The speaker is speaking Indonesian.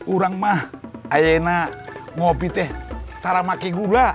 orang mah ayahnya ngopi teh taramaki gula